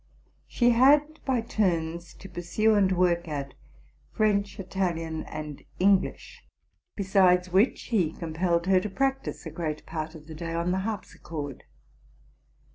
She had by turns to pur sue and work at French, Italian, and English; besides which he compelled her to practise a great part of the day on the harpsichord.